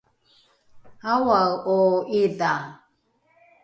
aoae’o ’idha?